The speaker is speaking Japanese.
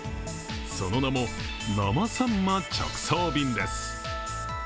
その名も、生さんま直送便です。